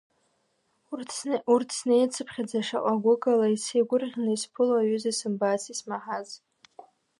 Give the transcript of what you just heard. Урҭ снеицыԥхьаӡа шаҟа гәыкала исеигәырӷьаны исԥыло аҩыза сымбац, исмаҳац.